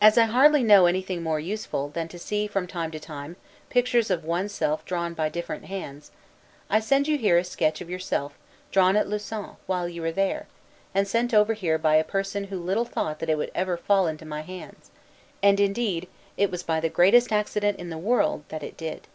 As I hardly know anything more useful, than to see, from time to time, pictures of one's self drawn by different hands, I send you here a sketch of yourself, drawn at Lausanne, while you were there, and sent over here by a person who little thought that it would ever fall into my hands: and indeed it was by the greatest accident in the world that it did.